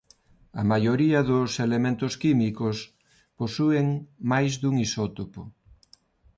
A maioría dos elementos químicos posúen máis dun isótopo.